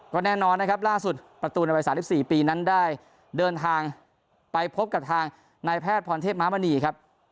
ก็แน่นอนนะครับล่าสุดประตูในวัย๓๔ปีนั้นได้เดินทางไปพบกับทางนายแพทย์พรเทพม้ามณีครับ